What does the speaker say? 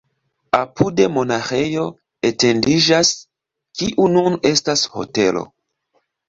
Apude monaĥejo etendiĝas, kiu nun estas hotelo.